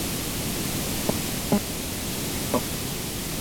Qonqallawaptikim.